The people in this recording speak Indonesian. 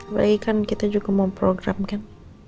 apalagi kan kita juga mau program kan